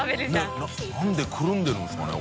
淵鵑くるんでるんですかね？